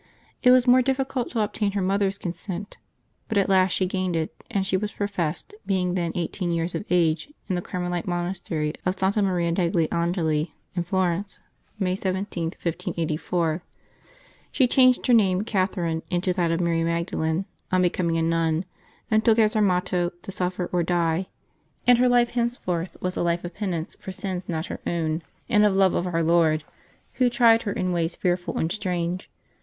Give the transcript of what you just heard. It was more difficult to obtain her mother's consent; but at last she gained it, and she was professed, being then eighteen years of age, in the Carmelite monastery of Santa Maria degli Angeli in Florence, May 17, 1584. She changed her name Catherine into that of Mary Magdalen on becomiug a May 27] LIVES OF THE SAINTS 195 nun, and took as her motto, " To suffer or die ;" and her life henceforth was a life of penance for sins not her own, and of love of Our Lord, "Who tried her in ways fearful and strange.